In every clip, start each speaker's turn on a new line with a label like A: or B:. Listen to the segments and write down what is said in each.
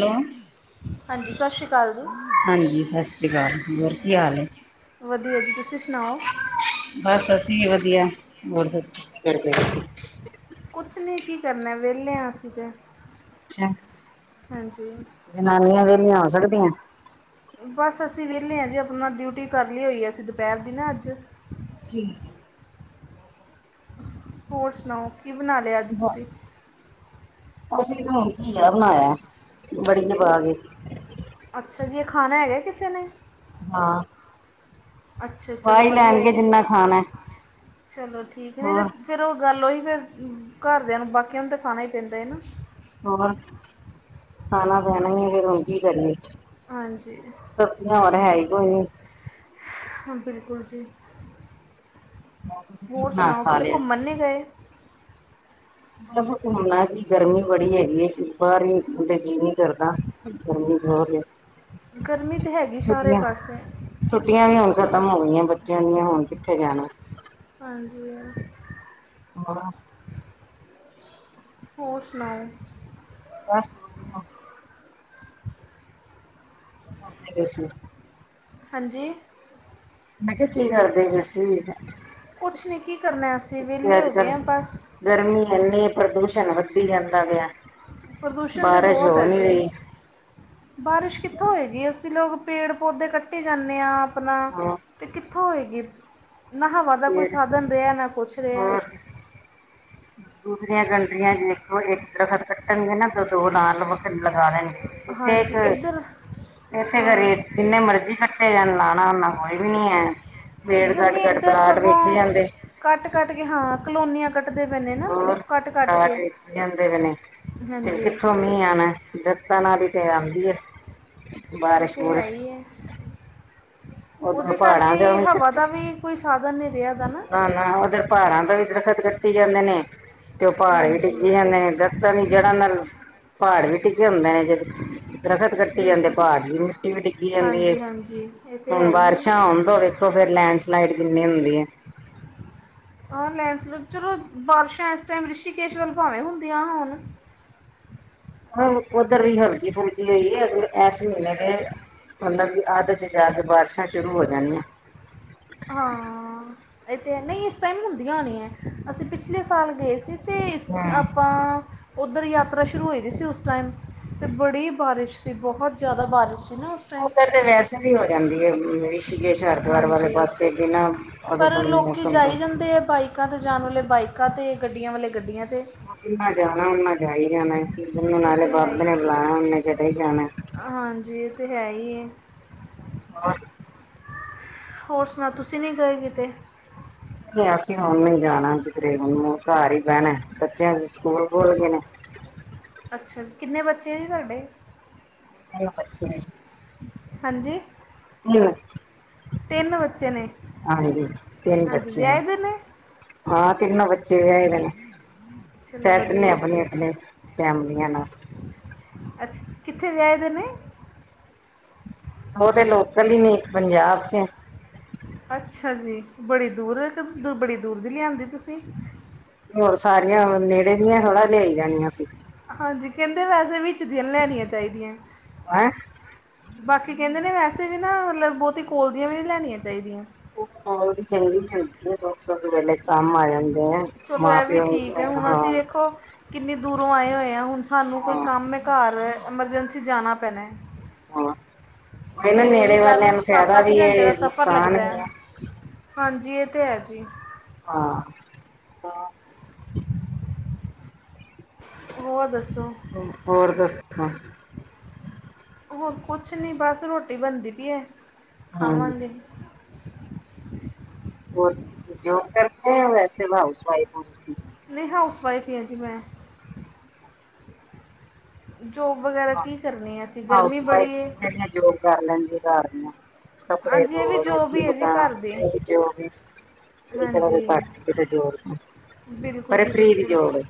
A: Hello?
B: ਹਾਂਜੀ ਸਤਿ ਸ਼੍ਰੀ ਅਕਾਲ ਜੀ
A: ਹਾਂਜੀ, ਸਤਿ ਸ੍ਰੀ ਅਕਾਲ, ਹੋਰ ਕੀ ਹਾਲ ਹੈ।
B: ਵਧੀਆ ਜੀ, ਤੁਸੀਂ ਸੁਣਾਓ।
A: ਬਸ ਅਸੀਂ ਵੀ ਵਧੀਆ। ਹੋਰ ਦੱਸੋ ਕੀ ਕਰਦੇ ਪਏ ਸੀ।
B: ਕੁਛ ਨਹੀਂ। ਕੀ ਕਰਨਾ ਵਿਹਲੇੇ ਹਾਂ, ਅਸੀਂ ਤੇ।
A: ਅੱਛਾ ਜਨਾਨੀਆਂ ਵੇਹਲੀਆਂ ਹੋ ਸਕਦੀਆਂ?
B: ਬਸ ਅਸੀਂ ਵਿਹਲੇ ਹਾਂ ਜੀ, ਆਪਣਾ ਡਿਊਟੀ ਕਰ ਲਈ ਹੋਈ ਹੈ। ਅਸੀਂ ਦੁਪਹਿਰ ਦੀ ਨਾ ਅੱਜ?
A: ਜੀ।
B: ਹੋਰ ਸੁਣਾਓ, ਕੀ ਬਣਾ ਲਿਆ ਅੱਜ ਤੁਸੀਂ।
A: ਅਸੀ ਤਾਂ ਹੁਣ ਘੀਆ ਬਣਾਇਆ ਹੈ, ਵੜੀ ਜੀ ਪਾ ਕੇ।
B: ਅੱਛਾ ਜੀ। ਇਹ ਖਾਣਾ ਹੈਗਾ, ਕਿਸੇ ਨੇ।
A: ਹਾਂ!
B: ਅੱਛਾ
A: ਖਾ
B: ਚਲੋ
A: ਹੀ
B: ਵਧੀਆ ਹੈ
A: ਲੈਣਗੇ
B: ਜੀ।
A: ਜਿੰਨਾ ਖਾਣਾ
B: ਚਲੋ ਠੀਕ ਨਹੀਂ ਤੇ?
A: ਹੋਰ
B: ਚਲੋ ਗੱਲ ਉਹੀ ਫਿਰ, ਘਰਦਿਆਂ ਨੂੰ, ਬਾਕੀਆਂ ਨੂੰ, ਤਾਂ ਖਾਣਾ ਹੀ ਪੈਂਦਾ ਹੈ ਨਾ।
A: ਹੋਰ, ਖਾਣਾ ਪੈਣਾ ਹੀ ਹੈ। ਫਿਰ ਹੁਣ ਕੀ ਕਰੀਏ।
B: ਹਾਂਜੀ
A: ਸਬਜ਼ੀਆਂ ਹੋਰ ਹੈ ਹੀ ਕੋਈ ਨਹੀਂ।
B: ਬਿਲਕੁਲ ਜੀ।
A: ਤੁਸੀਂ ਕੀ
B: ਹੋਰ
A: ਬਣਾ
B: ਸੁਣਾਓ,
A: ਖਾ
B: ਕਿਤੇ
A: ਲਿਆ
B: ਘੁੰਮਣ ਨਹੀਂ ਗਏ।
A: ਬਸ ਘੁੰਮਣਾ ਕਿ। ਗਰਮੀ ਬੜੀ ਹੈਗੀ ਹੈ, ਬਾਹਰ ਨਿਕਲਣ ਤੇ ਜੀ ਨਹੀ ਕਰਦਾ। ਗਰਮੀ ਬਹੁਤ ਹੈ।
B: ਗਰਮੀ ਤਾਂ ਹੈਗੀ, ਸਾਰੇ
A: ਛੁੱਟੀਆਂ
B: ਪਾਸੇ।
A: ਛੁੱਟੀਆਂ ਵੀ ਹੁਣ ਖਤਮ ਹੋ ਗਈਆਂ, ਬੱਚਿਆਂ ਦੀਆਂ, ਹੁਣ ਕਿੱਥੇ ਜਾਣਾ।
B: ਹਾਂਜੀ।
A: ਹੋਰ?
B: ਹੋਰ ਸੁਣਾਓ?
A: ਬਸ! ਵਧੀਆ ਕੀ ਹ [inaudible]
B: ਹਾਂਜੀ?
A: ਮੈਂ ਕਿਹਾ ਕੀ ਕਰਦੇ ਪਏ ਹੋ ਸੀ।
B: ਕੁਛ ਨਹੀਂ ਕੀ ਕਰਨਾ ਅਸੀਂ।
A: ਤੇ
B: ਵਿਹਲੇ
A: ਅੱਜ
B: ਹੋ ਗਏ
A: ਕੱਲ
B: ਹਾਂ ਬਸ।
A: ਗਰਮੀ ਐਂਨੀ ਪ੍ਰਦੂਸ਼ਣ ਵੱਧੀ ਜਾਂਦਾ ਪਿਆ।
B: ਪ੍ਰਦੂਸ਼ਣ ਤਾਂ
A: ਬਾਰਿਸ਼
B: ਬਹੁਤ
A: ਹੋ
B: ਹੈ
A: ਨੀ
B: ਜੀ।
A: ਰਹੀ।
B: ਬਾਰਿਸ਼ ਕਿੱਥੋਂ ਹੋਏਗੀ? ਅਸੀਂ ਲੋਕ ਪੇੜ- ਪੌਧੇ ਕੱਟੀ ਜਾਂਦੇ ਹਾਂ। ਆਪਣਾ
A: ਹਾਂ
B: ਤੇ ਕਿੱਥੋਂ ਹੋਏਗੀ। ਨਾ ਹਵਾ ਦਾ ਕੋਈ
A: ਫੇਰ
B: ਸਾਧਨ ਰਿਹਾ, ਨਾ ਕੁਛ ਰਿਹਾ।
A: ਹੋਰ ਦੂਸਰੀਆਂ ਕੰਟਰੀਆਂ ਵਿੱਚ ਵੇਖੋ, ਇੱਕ ਦਰਖਤ ਕੱਟਣਗੇ ਨਾ, ਦੋ ਲੱਗਣ ਵਕਤ ਲੱਗਣੇ ਨੇ।
B: ਹਾਂਜੀ- ਇੱਧਰ?
A: ਇੱਥੇ
B: ਹਾਂ
A: ਘਰੇ, ਜਿੰਨੇ ਮਰਜੀ ਕੱਟੇ ਜਾਣ! ਲਾਉਣਾ ਨਾ ਕੋਈ ਵੀ ਨੀ ਹੈ। ਪੇੜ
B: ਇੱਧਰ
A: ਕੱਟ-
B: ਨਹੀਂ
A: ਕੱਟ,
B: ਇੱਧਰ
A: ਪਲਾਟ
B: ਸਗੋਂ
A: ਵੇਚੀ ਜਾਂਦੇ।
B: ਕੱਟ- ਕੱਟ ਕੇ ਹਾਂ। ਕਲੋਨੀਆਂ ਕੱਟਦੇ ਪਾਏ ਨੇ ਨਾ।
A: ਹੋਰ
B: ਕੱਟ- ਕੱਟ
A: ਕਾਟ
B: ਕੇ
A: ਵਿੱਚ
B: ਹਾਂਜੀ।
A: ਕਿ ਆਉਣਾ ਹੈ। ਦਰਖਤਾਂ ਨਾਲ ਹੀ ਤੇ ਆਉਂਦੀ ਹੈ।
B: ਇਹ ਤੇ ਹੈ ਹੀ ਹੈ।
A: ਉਧਰੋਂ
B: ਉਹਦੇ
A: ਪਹਾੜਾਂ ਦਾ
B: ਕਰਕੇ
A: ਵੀ
B: ਹਵਾ ਦਾ ਵੀ, ਕੋਈ ਸਾਧਨ ਨਹੀਂ ਰਿਹਾ।
A: ਨਾ ਨਾ ਉਧਰ ਪਹਾੜਾਂ ਤੋਂ ਵੀ ਦਰਖਤ ਕਟੀ ਜਾਂਦੇ ਨੇ ਤੇ ਉਹ ਪਹਾੜ ਵੀ
B: ਹਾਂਜੀ
A: ਡਿੱਗੀ ਜਾਂਦੇ ਨੇ ਇਧਰ ਪਤਾ ਨੀ ਜੜ੍ਹਾਂ ਨਾਲ ਪਹਾੜ ਵੀ ਟਿੱਕੇ ਹੁੰਦੇ ਨੇ। ਜਦ ਦਰਖਤ ਕੱਟੀ ਜਾਂਦੇ
B: ਬਿਲਕੁਲ
A: ਭਾਰ ਦੀ ਮਿੱਟੀ ਵੀ ਡਿੱਗੀ ਜਾਂਦੀ ਹੈ।
B: ਹਾਂਜੀ ਹਾਂਜੀ ਇਹ ਤਾਂ ਹੈ
A: ਹੁਣ
B: ਹੀ ਹੈ
A: ਬਾਰਿਸ਼ਾਂ ਹੋਂਦੋ ਵੇਖੋ ਫੇਰ ਲੈਂਡਸਲਾਈਡ ਕਿੰਨੀ ਹੁੰਦੀ ਹੈ।
B: ਆਹ ਲੈਂਡਸਲਾਈਡ ਚਲੋ ਬਾਰਿਸ਼ਾਂ ਇਸ ਟਾਈਮ ਰਿਸ਼ੀਕੇਸ਼ ਵੱਲ ਭਾਵੇਂ ਹੁੰਦੀਆਂ ਹੁਣ।
A: ਹੁਣ ਉੱਧਰ ਵੀ ਹਲਕੀ ਫੁਲਕੀ ਹੋਈ ਹੈ ਅਗਰ ਇਸ ਮਹੀਨੇ ਦੇ ਹੁੰਦਾ ਵੀ ਅੱਧ ਚ ਜਾ ਕੇ ਬਾਰਿਸ਼ਾਂ ਸ਼ੁਰੂ ਹੋ ਜਾਣੀਆਂ।
B: ਹਾਂ। ਇਹ ਤੇ ਨਹੀਂ ਇਸ ਟਾਈਮ ਹੁੰਦੀਆਂ ਹੋਣੀਆਂ ਅਸੀਂ ਪਿਛਲੇ ਸਾਲ ਗਏ ਸੀ। ਅਤੇ
A: ਹਾਂ
B: ਆਪਾਂ ਉੱਧਰ ਯਾਤਰਾ ਸ਼ੁਰੂ ਹੋਈ ਦੀ ਸੀ ਉਸ ਟਾਈਮ ਅਤੇ ਬੜੀ ਬਾਰਿਸ਼ ਸੀ ਬਹੁਤ ਜ਼ਿਆਦਾ ਬਾਰਿਸ਼ ਸੀ ਨਾ ਉਸ ਟਾਈਮ
A: ਉਧਰ ਤੇ ਵੈਸੇ ਵੀ ਹੋ ਜਾਂਦੀ ਹੈ। ਰਿਸ਼ੀਕੇ ਹਰਿਦੁਵਰ ਵਾਲੇ
B: ਹਾਂਜੀ
A: ਪਾਸੇ ਬਿਨਾਂ ਉਦੋਂ ਮੌਸਮ ਤੋਂ
B: ਦੇ ਹੈ ਬਾਈਕ ਬੈਕਾਂ ਤੇ ਜਾਣ ਵਾਲੇ ਬਾਈਕਾਂ ਅਤੇ ਗੱਡੀਆਂ ਵਾਲੇ ਗੱਡੀਆਂ ਤੇ
A: ਨਾ ਜਾਣਾ ਓਨਾ ਜਾਈ ਜਾਣਾ
B: ਇਹ
A: ਨਾਲੇ
B: ਤਾਂ ਹੈ
A: ਬਾਬੇ
B: ਹੀ
A: ਨੇ ਬੁਲਾਇਆ ਓਨੇ ਚਲੇ ਹੀ ਜਾਣਾ।
B: ਹਾਂਜੀ। ਇਹ ਤਾਂ ਹੈ ਹੀ ਹੈ।
A: ਹਾਂ।
B: ਹੋਰ ਸੁਣਾ ਤੁਸੀਂ ਨਹੀਂ ਗਏ ਕਿਤੇ
A: ਨਹੀਂ। ਅਸੀਂ ਹੁਣ ਨ ਨਹੀਂ ਜਾਣਾ ਤਕਰੀਬਨ ਘਰ ਬੈਹਣਾ ਬੱਚਿਆਂ ਦੇ ਸਕੂਲ ਖੁੱਲ ਗਏ ਨੇ।
B: ਅੱਛਾ ਜੀ। ਕਿੰਨੇ ਬੱਚੇ ਜੀ ਤੁਹਾਡੇ?
A: [inaudible]
B: ਹਾਂਜੀ। ਤਿੰਨ ਬੱਚੇ ਨੇ
A: ਹਾਂਜੀ। ਤਿੰਨ
B: ਹਾਂਜੀ
A: ਬੱਚੇ ਹੈ।
B: ਵਿਆਹੇ ਦੇ ਨੇ
A: ਹਾਂ। ਤਿੰਨ ਬੱਚੇ ਵਿਹਾਇ ਨੇ।
B: ਚਲੋ
A: ਸੈੱਟ ਨੇ
B: ਵਧੀਆ
A: ਆਪਣੀ
B: ਜੀ
A: ਆਪਣੇ ਫੈਮਲੀਆਂ ਨਾਲ।
B: ਅੱਛਾ। ਕਿੱਥੇ ਵਿਆਹੇ ਦੇ ਨੇ?
A: ਉਹ ਤੇ ਲੋਕਲ ਹੀ ਨੀ ਇੱਕ ਪੰਜਾਬ ਚ
B: ਅੱਛਾ ਜੀ। ਬੜੀ ਦੂਰ ਦੀ ਬੜੀ ਦੂਰ ਦੀ ਲਿਆਂਦੀ ਤੁਸੀਂ।
A: ਹੋਰ ਸਾਰੀਆਂ ਨੇੜੇ ਦੀਆਂ ਥੋੜਾ ਲਿਆਈ ਜਾਣੀਆਂ ਸੀ।
B: ਹਾਂਜੀ। ਕਹਿੰਦੇ ਵੈਸੇ ਵਿੱਚਦੀਆਂ ਲੈਣੀਆਂ ਚਾਹੀਦੀਆਂ।
A: ਹੈਂ।
B: ਬਾਕੀ ਕਹਿੰਦੇ ਨੇ ਵੈਸੇ ਵੀ ਨਾ ਮਤਲਬ ਬਹੁਤੀ ਕੋਲ ਦੀਆਂ ਵੀ ਨਹੀਂ ਲੈਣੀਆਂ ਚਾਹੀਦੀਆਂ।
A: ਵੀ ਚੰਗੀ ਹੁੰਦੀ ਲੋਕ ਸਭ ਵੇਲੇ ਕੰਮ ਆ ਜਾਂਦੇ ਆ ਸੇ
B: ਚਲੋ ਇਹ ਵੀ ਠੀਕ ਹੈ ਹੁਣ ਅਸੀਂ ਵੇਖੋ ਕਿੰਨੀ ਦੂਰੋਂ ਆਏ ਹੋਏ ਹਾਂ ਹੁਣ ਸਾਨੂੰ ਕੋਈ
A: ਹਾਂ
B: ਕੰਮ ਮ ਘਰ ਅਮਏਵੇਂਰਜੈਂਸੀ ਜਾਣਾ ਪੈਣਾ।
A: ਹਾਂ ਇਹ ਨਾ
B: ਤੇ ਉਹੀ
A: ਨੇੜੇ ਵਾਲਿਆਂ
B: ਗੱਲ
A: ਨੂੰ
B: ਸੱਤ
A: ਫਾਇਦਾ
B: ਅੱਠ
A: ਵੀ ਹੈ
B: ਘੰਟੇ ਦਾ ਸਫ਼ਰ
A: ਨੁਕਸਾਨ
B: ਲੱਗਦਾ
A: ਵੀ
B: ਹੈ। ਹਾਂਜੀ। ਇਹ ਤੇ ਹੈ ਜੀ।
A: ਹਾਂ।
B: ਹੋਰ ਦੱਸੋ।
A: ਹੋਰ ਦੱਸੋ
B: ਹੋਰ ਕੁਛ ਨਹੀਂ ਬਸ ਰੋਟੀ ਬਣਦੀ ਵੀ ਹੈ ਖਾਵਾਂਗੇ।
A: ਜੋਰ ਕਰਦੇ ਵੈਸੇ ਹਾਊਸ ਵਾਈਫ ਹੋ
B: ਨਹੀਂ ਹਾਊਸ ਵਾਈਫ ਹੀ ਹਾਂ ਜੀ ਮੈਂ।
A: ਅੱਛਾ।
B: ਜੋਬ ਵਗੈਰਾ ਕੀ ਕਰਨੀ ਹੈ। ਅਸੀਂ ਗਰਮੀ
A: ਹਾਊਸ ਵਾਈਫ
B: ਬੜੀ ਹੈ।
A: ਜਿਹੜੀਆਂ ਜੋਬ ਕਰ ਲੈਂਦੇ ਘਰ ਦੀਆਂ। ਕੱਪੜੇ
B: ਹਾਂਜੀ ਇਹ ਵੀ
A: ਧੋ,
B: ਜੋਬ
A: ਰੋਟੀ
B: ਹੀ ਹੈ ਜੀ
A: ਪਾਕਾ,
B: ਘਰ ਦੀ
A: ਇਹ ਵੀ ਜੋਬ ਨੇ। ਇਹ ਕਿਹੜਾ ਕੋਈ
B: ਹਾਂਜੀ
A: ਘੱਟ ਕਿਸੇ ਜੋਬ ਤੋਂ ਪਰ
B: ਬਿਲਕੁਲ
A: ਇਹ
B: ਜੀ
A: ਫ੍ਰੀ ਦੀ
B: ਬਿਲਕੁਲ
A: ਜੋਬ ਹੈ।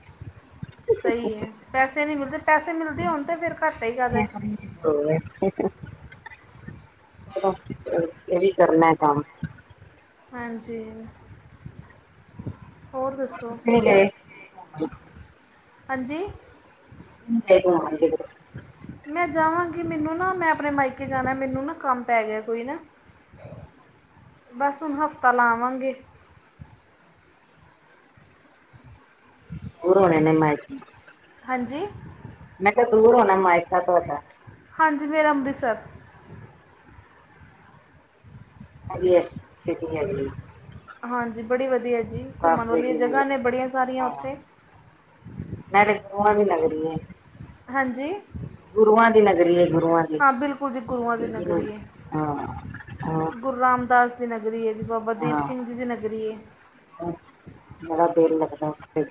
B: ਸਹੀ ਹੈ। ਪੈਸੇ ਨਹੀਂ ਮਿਲਦੇ ਪੈਸੇ ਮਿਲਦੇ ਹੋਣ ਤਾਂ ਫਿਰ ਘੱਟਾ ਹੀ ਕਹਿ ਦਾ।
A: ਇਹ ਫ੍ਰੀ ਦੀ ਚਲੋ ਇਹ ਵੀ ਕਰਨਾ ਕੰਮ।
B: ਹਾਂਜੀ, ਹੋਰ ਦੱਸੋ?
A: [unintelligible]
B: ਹਾਂਜੀ।
A: ਸੂਟ ਇਹ ਕਮਾਲ ਦਿਖਦਾ ਹੈ।
B: ਮੈਂ ਜਾਵਾਂਗੀ ਮੈਨੂੰ ਨਾ ਮੈਂ ਆਪਣੇ ਮਾਇਕੇ ਜਾਣਾ, ਮੈਨੂੰ ਨਾ ਕੰਮ ਪੈ ਗਿਆ ਕੋਈ ਨਾ।
A: ਅੱਛਾ।
B: ਬਸ ਹੁਣ ਹਫ਼ਤਾ ਲਾਵਾਂਗੇ।
A: ਹੋਰ ਹੋਣੇ ਨੇ ਮੈਚ।
B: ਹਾਂਜੀ।
A: ਮੈਂ ਕਿਹਾ ਦੂਰ ਹੋਣਾ ਮਾਇਕਾ ਤੁਹਾਡਾ।
B: ਹਾਂਜੀ ਮੇਰਾ ਅੰਮ੍ਰਿਤਸਰ।
A: ਵਧੀਆ, ਛੇਤੀ ਆਜੀ।
B: ਹਾਂਜੀ, ਬੜੀ ਵਧੀਆ ਜੀ
A: ਬਾਪ
B: ਘੁੰਮਣ ਵਾਲੀਆਂ
A: ਵੇਲੀ
B: ਜਗ੍ਹਾ
A: ਨਗਰੀ।
B: ਨੇ ਬੜੀਆਂ ਸਾਰੀਆਂ ਉੱਥੇ।
A: ਮੈਂ ਤੇ [unintelligible] ਲੱਗ ਰੀ ਐ।
B: ਹਾਂਜੀ।
A: ਗੁਰੂਆਂ ਦੀ ਨਗਰੀ ਹੈ, ਗੁਰੂਆਂ ਦੀ।
B: ਹਾਂ ਬਿਲਕੁਲ ਜੀ ਗੁਰੂਆਂ ਦੀ ਨਗਰੀ
A: ਹਾਂ
B: ਹੈ।
A: ਹਾਂ
B: ਗੁਰੂ ਰਾਮਦਾਸ ਦੀ ਨਗਰੀ ਹੈ, ਬਾਬਾ ਦੀਪ ਸਿੰਘ ਜੀ
A: ਹਾਂ
B: ਦੀ ਨਗਰੀ ਹੈ।
A: ਬੜਾ ਦੇਰ ਲੱਗਦਾ ਉੱਥੇ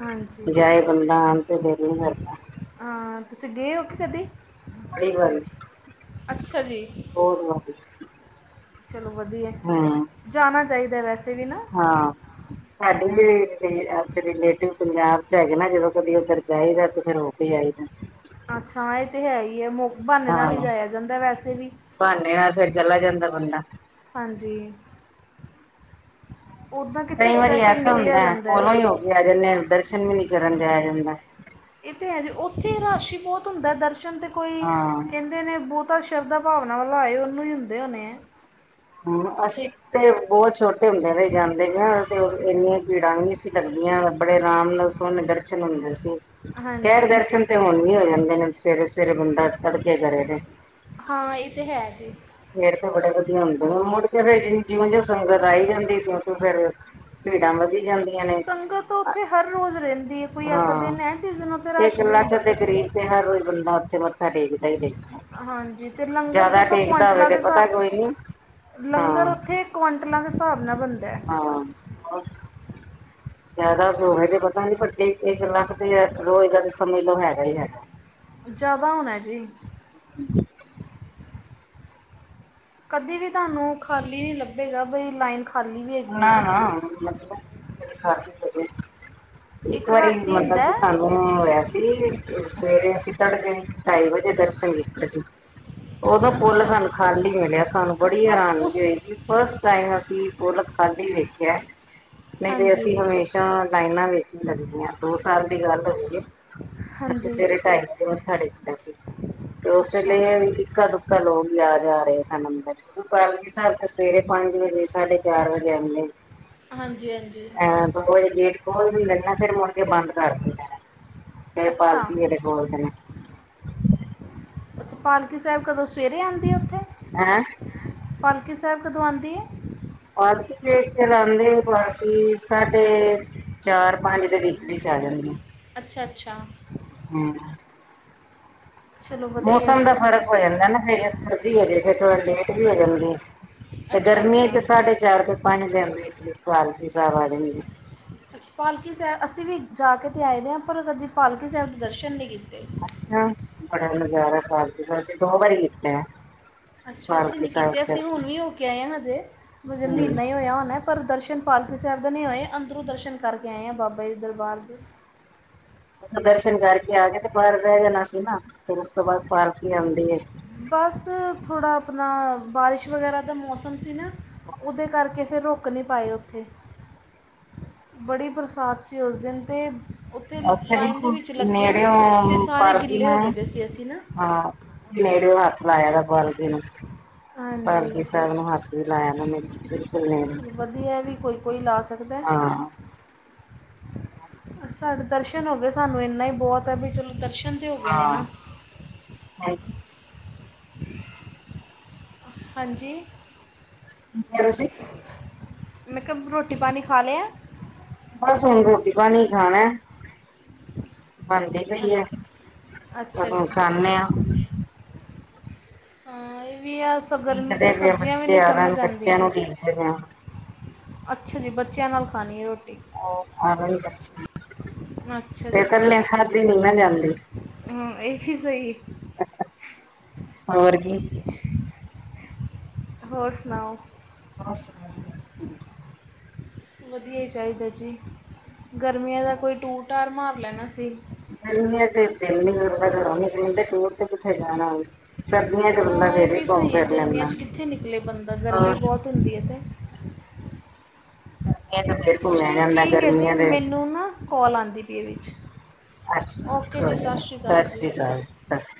B: ਹਾਂਜੀ
A: ਜਾਏ। ਬੰਦਾ ਆਨ ਤੇ ਦਿਲ ਹੀ ਨਹੀਂ ਕਰਦਾਂ।
B: ਹਾਂ ਤੁਸੀਂ ਗਏ ਹੋ, ਕਿ ਕਦੀ
A: ਬੜੀ ਵਾਰੀ
B: ਅੱਛਾ ਜੀ।
A: ਬਹੁਤ ਲੰਬੀ।
B: ਚਲੋ ਵਧੀਆ।
A: ਹੂੰ।
B: ਜਾਣਾ ਚਾਹੀਦਾ ਵੈਸੇ ਵੀ ਨਾ।
A: ਹਾਂ। ਸਾਡੇ ਵੀ ਰਿਲੇਟਿਵ ਪੰਜਾਬ 'ਚ ਹੈਗੇ ਨਾ, ਜਦੋਂ ਕਦੇ ਉੱਧਰ ਜਾਈਦਾ ਤੇ ਫੇਰ ਹੋ ਕੇ ਆਏਦਾ।
B: ਅੱਛਾ, ਇਹ ਤੇ ਹੈ ਹੀ ਹੈ। ਬਹਾਨੇ ਨਾਲ
A: ਹਾਂ
B: ਜਾਇਆਂ ਜਾਂਦਾ, ਵੈਸੇ ਵੀ
A: ਬਹਾਨੇ ਨਾਲ ਫਿਰ ਚਲਾ ਜਾਂਦਾ ਬੰਦਾ
B: ਹਾਂਜੀ। ਉੱਦਾਂ ਕਿੱਥੇ
A: ਕਈ ਵਾਰੀ
B: ਸਪੈਸ਼ਲ
A: ਐਸਾ
B: ਨਿਕਲਿਆ
A: ਹੁੰਦਾ
B: ਜਾਂਦਾ ਹੈ।
A: ਕੋਲੋਂ ਹੀ ਹੋ ਕੇ ਆ ਜਾਂਦੇ ਦਰਸ਼ਨ ਵੀ ਨਹੀਂ ਕਰਨ ਜਾਇਆ ਜਾਂਦਾ ਹੈ।
B: ਇਹ ਤਾਂ ਹੈ ਜੀ ਉੱਥੇ ਰਸ਼ ਹੀ ਬਹੁਤ ਹੁੰਦਾ, ਦਰਸ਼ਨ ਤੇ ਕੋਈ ਕਹਿੰਦੇ।
A: ਹਾਂ
B: ਕਹਿੰਦੇ ਨੇ ਬਹੁਤਾ ਸ਼ਰਧਾ ਭਾਵਨਾ ਵੱਲੋਂ ਆਏ, ਉਹਨੂੰ ਹੀ ਹੁੰਦੇ ਹੋਣੇ ਹੈ।
A: ਹੂੰ ਅਸੀਂ ਤੇ ਬਹੁਤ ਛੋਟੇ ਹੁੰਦਿਆਂ ਤੋਂ ਹੀ ਜਾਂਦੇ, ਹਾਂ ਤੇ ਉੱਥੇ ਇੰਨੇ। ਭੀੜਾਂ ਵੀ ਨਹੀਂ ਸੀ, ਲੱਗਦੀਆਂ ਬੜੇ ਆਰਾਮ ਨਾਲ ਸੋਹਣੇ ਦਰਸ਼ਨ ਹੁੰਦੇ ਸੀ। ਖੈਰ
B: ਹਾਂਜੀ
A: ਦਰਸ਼ਨ ਤੇ ਹੁਣ ਵੀ ਹੋ ਜਾਂਦੇ ਨੇ, ਸਵੇਰੇ-ਸਵੇਰੇ ਬੰਦਾ ਤੜਕੇ ਕਰੇ ਜੇ।
B: ਹਾਂ ਇਹ ਤੇ ਹੈ ਜੀ।
A: ਫੇਰ ਤੇ ਬੜੇ ਵਧੀਆ ਹੁੰਦੇ, ਮੁੜ ਕੇ ਫਿਰ ਜਿ ਜਿਉਂ ਜਿਉਂ ਸੰਗਤ ਆਈ ਜਾਂਦੀ ਤਿਉਂ ਤਿਉਂ ਫੇਰ। ਭੀੜਾਂ ਵਧੀ। ਜਾਂਦੀਆਂ ਨੇ
B: ਸੰਗਤ ਉੱਥੇ ਹਰ ਰੋਜ਼ ਰਹਿੰਦੀ ਹੈ, ਕੋਈ ਐਸਾ
A: ਹਾਂ
B: ਦਿਨ ਹੈ, ਜਿਸ ਦਿਨ ਉੱਥੇ ਰਸ਼ ਨਹੀਂ ਹੁੰਦਾ।
A: ਉੱਥੇ ਹਰ ਰੋਜ਼ ਬੰਦਾ ਉੱਥੇ ਮੱਥਾ ਟੇਕਦਾ ਹੀ ਟੇਕਦਾ।
B: ਹਾਂਜੀ ਤੇ ਲੰਗਰ
A: ਜ਼ਿਆਦਾ
B: ਦੇਖੋ,
A: ਟੇਕਦਾ ਹੋਵੇ
B: ਕੁਆਂਟਲਾਂ
A: ਤੇ
B: ਦੇ
A: ਪਤਾ
B: ਹਿਸਾਬ
A: ਕੋਈ ਨੀ
B: ਲੰਗਰ
A: ਹਾਂ
B: ਉੱਥੇ। ਕੁਆਂਟਲਾਂ ਦੇ ਹਿਸਾਬ ਨਾਲ ਬਣਦਾ। ਹੈ,
A: ਹਾਂ। ਜ਼ਿਆਦਾ ਹੋਵੇ ਤੇ ਪਤਾ ਨੀ ਵੇ ਇੱਕ ਲੱਖ ਤੇ ਯ ਰੋਜ਼ ਦਾ ਸਮੇਂ ਲੋ ਹੈਗਾ ਹੀ ਹੈਗਾ।
B: ਜ਼ਿਆਦਾ ਹੋਣਾ ਜੀ।
A: [unintelligible]
B: ਕਦੇ ਵੀ ਤੁਹਾਨੂੰ ਖਾਲੀ ਨਹੀਂ ਲੱਬੇਗਾ, ਬਈ ਲਾਈਨ। ਖਾਲੀ ਵੀ ਹੈਗੀ ਹੈ
A: ਨਾ-ਨਾ। ਇੱਕ ਵਾਰੀ
B: ਰਾਤੀ ਹੁੰਦਾ
A: ਮਤਲਬ ਕਿ
B: ਹੈ।
A: ਸਾਨੂੰ ਹੋਇਆ ਸੀ, ਸਵੇਰੇ ਅਸੀਂ ਤੜਕੇ। ਢਾਈ ਵਜੇ ਦਰਸ਼ਨ ਕੀਤੇ ਸੀ। ਉਦੋਂ ਪੁੱਲ
B: ਅੱਛਾ
A: ਸਾਨੂੰ ਖਾਲੀ ਮਿਲਿਆ ਸਾਨੂੰ ਬੜੀ
B: ਬਸ
A: ਹੈਰਾਨਗੀ
B: ਉਸ
A: ਹੋਏਗੀ। ਫਸਟ ਟਾਈਮ ਅਸੀਂ ਪੋਲਕ ਖਾਧੀ ਵੇਖਿਆ, ਨਹੀਂ ਤੇ
B: ਹਾਂਜੀ
A: ਅਸੀਂ ਹਮੇਸ਼ਾ ਲਾਈਨਾਂ ਵਿੱਚ ਲੱਗਦੀਆਂ ਦੋ ਸਾਲ ਦੀ ਗੱਲ ਹੋਈ ਹੈ। ਅਸੀਂ
B: ਹਾਂਜੀ
A: ਸਵੇਰੇ ਟਾਈਮ ਕੇ ਮੱਥਾ ਟੇਕਣਾ ਸੀ, ਤੇ ਉਸ
B: ਅੱਛਾ
A: ਵੇਲੇ ਇਹ ਵੀ ਇੱਕ ਦੁ ਕਾ ਲੋਂਕ ਵੀ ਆ ਜਾ ਰਹੇ ਸਨ ਅੰਦਰ। ਕਰ ਸਾ ਸਵੇਰੇ ਪੰਜ ਵਜੇ ਸਾਡੇ ਚਾਰ ਵਜੇ ਆਦੇ।
B: ਹਾਂਜੀ-ਹਾਂਜੀ।
A: ਗੇਟ ਖੋਲ ਵੀ ਲੈਂਣਾ ਫਿਰ ਮੁੜ ਕੇ ਬੰਦ ਕਰ ਲੈਣਾ, ਫਿਰ
B: ਅੱਛਾ
A: ਪਾਲਕੀ ਵੇਲੇ ਖੋਲਦੇ ਆ।
B: ਅੱਛਾ ਪਾਲਕੀ ਸਾਹਿਬ ਕਦੋਂ ਸਵੇਰੇ ਆਦੀ ਉੱਥੇ?
A: ਹੈਂ
B: ਪਾਲਕੀ ਸਾਹਿਬ ਕਦੋਂ ਆਉਂਦੀ ਏ?
A: ਪਾਲਕੀ ਦੇਖ ਕੇ ਲਉਦੇ ਬਾਕੀ ਸਾਡੇ ਚਾਰ ਪੰਜ ਦੇ ਵਿੱਚ-ਵਿੱਚ ਆ ਜਾਂਦੀ।
B: ਅੱਛਾ-ਅੱਛਾ।
A: ਹੂੰ-ਹੂੰ।
B: ਚਲੋ ਵਧੀਆ ਹੈ।
A: ਮੌਸਮ ਦਾ ਫ਼ਰਕ ਹੋ ਜਾਂਦਾ ਨਾ ਫਿਰ ਜੇ ਸਰਦੀ ਹੋਜੇ ਫੇਰ ਥੋੜਾ ਲੇਟ ਵੀ ਹੋ ਜਾਂਦੀ ਹੈ। ਤੇ
B: ਅੱਛਾ
A: ਗਰਮੀਆਂ
B: ਅੱਛਾ
A: ਤੇ ਸਾਢੇ ਚਾਰ ਤੇ ਪੰਜ ਦਿਨ ਵਿੱਚ-ਵਿੱਚ ਪਾਲਕੀ ਸਾਬ ਆ ਜਾਂਦੀ।
B: ਅੱਛਾ ਪਾਲਕੀ ਸਾਹਿਬ ਅਸੀਂ ਵੀ ਜਾ ਕੇ ਤਾਂ ਆਏ ਦੇ ਹਾਂ ਪਰ ਕਦੇ ਪਾਲਕੀ ਸਾਹਿਬ ਦੇ ਦਰਸ਼ਨ ਨਹੀਂ ਕੀਤੇ।
A: ਅੱਛਾ ਬੜਾ ਨਜ਼ਾਰਾ ਪਾਲਕੀ ਦਾ ਅਸੀਂ ਦੋ ਵਾਰੀ ਕੀਤੇ ਆ।
B: ਅੱਛਾ ਅਸੀਂ ਨਹੀਂ ਕੀਤੇ ਅਸੀਂ ਹੁਣ ਵੀ ਹੋ ਕੇ ਆਏ ਹਾਂ ਹਜੇ, ਮੁਜੇ ਮਹੀਨਾ ਹੀ ਹੋਇਆ ਹੁਣਾ। ਪਰ ਦਰਸ਼ਨ ਪਾਲਕੀ ਸਾਹਿਬ ਦਾ ਨਹੀਂ ਹੋਇਆ ਅੰਦਰੋਂ ਦਰਸ਼ਨ ਕਰਕੇ ਆਏ ਆ ਬਾਬਾ ਜੀ ਦਰਬਾਰ। ਦੇ
A: [unintelligible] ਉਥ ਦਰਸ਼ਨ ਕਰਕੇ ਆ ਕੇ ਤੇ ਬਾਹਰ ਬਹਿ ਜਾਣਾ ਸੀ ਨਾ ਫਰ ਉਸ ਤੋਂ ਬਾਅਦ ਪਾਲਕੀ ਆਂਦੀ ਏ।
B: ਬਸ ਥੋੜ੍ਹਾ ਆਪਣਾ ਬਾਰਿਸ਼ ਵਗੈਰਾ ਦਾ ਮੌਸਮ ਸੀ ਨਾ। ਉਹਦੇ ਕਰਕੇ ਫਿਰ ਰੁ ਕ ਨਹੀਂ ਪਾਏ ਉੱਥੇ। ਬੜੀ ਬਰਸਾਤ ਸੀ ਉਸ ਦਿਨ ਤੇ।
A: ਅ ਬਿਲਕੁਲ ਨੇੜੇਓ
B: ਅਤੇ ਸਾਰੇ
A: ਪਰਦੀ
B: ਗਿੱਲੇ ਹੋ
A: ਮੈਂ,
B: ਗਏ ਦੇ ਸੀ ਅਸੀਂ ਨਾ
A: ਹਾਂ। ਨੇੜਿਓਂ ਹੱਥ ਲਾਇਆ ਦਾ ਪਾਲਕੀ ਨੂੰ।
B: ਹਾਂਜੀ
A: ਪਾਲਕੀ ਸਾਹਿਬ ਨੂੰ ਹੱਥ ਵੀ ਲਾਇਆ ਮੈਂ ਬਿਲਕੁਲ ਨੇੜਿਓਂ।
B: ਚਲੋ ਵਧੀਆ ਵੀ ਕੋਈ ਕੋਈ ਲਾ ਸਕਦਾ। ਸਾਡੇ ਦਰਸ਼ਨ ਹੋ ਗਏ ਸਾਨੂੰ ਇੰਨਾ ਹੀ ਬਹੁਤ ਹੈ ਵੀ ਚਲੋ ਦਰਸ਼ਨ ਤੇ ਹੋ ਗਏ ਨੇ ਨਾ।
A: ਹਾਂ।
B: ਹਾਂਜੀ।
A: ਕੀ ਕਿਹਾ ਤੁਸੀਂ?
B: ਮੈਂ ਕਿਹਾ ਰੋਟੀ ਪਾਣੀ ਖਾ ਲਿਆ?
A: ਬਸ ਹੁਣ ਰੋਟੀ ਪਾਣੀ ਈ ਖਾਣਾ। ਬਣਦੀ ਪਈ ਆ,
B: ਅੱਛ- ਅੱਛਾ
A: ਬਸ ਹੁਣ
B: ਜੀ
A: ਖਾਨੇ ਆ।
B: ਹਾਂ ਇਹ ਵੀ ਆ ਗਰਮੀ ਕ
A: ਉਡੀਕਦੇ
B: ਤਾਂ
A: ਪਏ
B: ਸਬਜ਼ੀਆਂ ਵੀ
A: ਬੱਚੇ
B: ਨਹੀਂ
A: ਆਰਨ
B: ਸਮਝ
A: ਬੱਚਿਆਂ
B: ਆਉਂਦੀਆਂ।
A: ਨੂੰ ਉਡੀਕਦੇ ਪਏ ਆ।
B: ਅੱਛਾ ਜੀ ਬੱਚਿਆਂ ਨਾਲ ਖਾਣੀ ਹੈ ਰੋਟੀ।
A: ਰ ਆਰਨ ਲਕਸ਼ਮੀ।
B: ਅੱਛਾ ਜੀ
A: ਫਿਰ ਕੱਲੇ ਖਾਧੀ ਨੀ ਨਾ ਜਾਂਦੀ।
B: ਹਮ, ਇਹ ਵੀ ਸਹੀ
A: ਹੋਰ ਕੀ।
B: ਹੋਰ ਸੁਣਾਓ?
A: [inaudible]
B: ਵਧੀਆ ਹੀ ਚਾਹੀਦਾ ਜੀ, ਗਰਮੀਆਂ ਦਾ ਕੋਈ ਟੂਰ-ਟਾਰ ਮਾਰ ਲੈਣਾ ਸੀ।
A: ਨਹੀਂ ਤੇ ਦਿਲ ਨਹੀ ਕਰਦਾ ਘਰੋਂ ਨਿਕਲਣ ਤੇ, ਟੂਰ ਤੇ ਕਿੱਥੇ ਜਾਣਾ ਕਰਨੀ ਹ ਗੱਲਾਂ
B: ਹਾਂ ਇਹ
A: ਫੇਰ ਵੀ ਘੁੰਮ
B: ਸਹੀ ਹੈ
A: ਫਿਰ
B: ਗਰਮੀਆਂ
A: ਲੈਂਦਾ,
B: 'ਚ ਕਿੱਥੇ ਨਿਕਲੇ ਬੰਦਾ
A: ਹੋਰ
B: [inaudible]
A: ਇਹ ਤੇ ਫੇਰ ਘੁੰਮਿਆ
B: ਚਲੋ
A: ਜਾਂਦਾ
B: ਠੀਕ ਐ ਜੀ,
A: ਗਰਮੀਆਂ ਦੇ
B: ਮੈਨੂੰ ਨਾ ਕੋਲ ਆਉਂਦੀ ਪਈ ਏ ਵਿੱਚ।
A: ਅੱਛਾ, ਕੋਈ ਨੀ ਸਤਿ ਸ਼੍ਰੀ ਅਕਾਲ ਜੀ, ਸਤਿ ਸ਼੍ਰੀ ਅਕਾਲ।